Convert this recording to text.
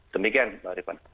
demikian mbak riana